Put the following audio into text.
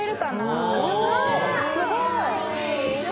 すごい。